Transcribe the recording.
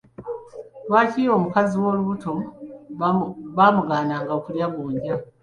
Lwaki omukazi owoolubuto baamugaananga okulya gonja?